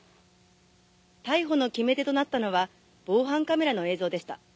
逮捕の決め手となったのは防犯カメラの映像でした。